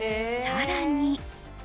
更に。